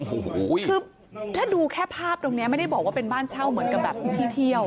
โอ้โหคือถ้าดูแค่ภาพตรงนี้ไม่ได้บอกว่าเป็นบ้านเช่าเหมือนกับแบบที่เที่ยว